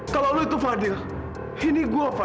terima kasih mila